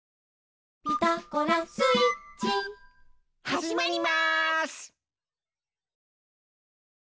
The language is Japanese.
はじまります！